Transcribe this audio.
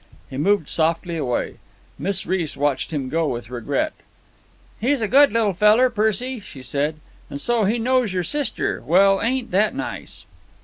He moved softly away. Miss Reece watched him go with regret. "He's a good little feller, Percy," she said. "And so he knows your sister. Well, ain't that nice!"